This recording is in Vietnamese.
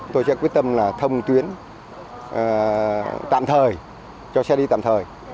tôi sẽ quyết tâm là thông tuyến tạm thời cho xe đi tạm thời